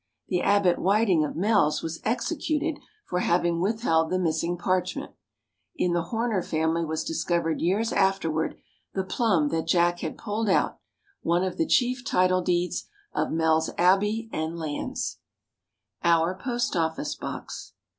The Abbot Whiting of Mells was executed for having withheld the missing parchment. In the Horner family was discovered years afterward the plum that Jack had picked out, one of the chief title deeds of Mells abbey and lands. [Illustration: OUR POST OFFICE BOX.